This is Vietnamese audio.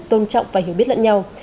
tôn trọng và hiểu biết lẫn nhau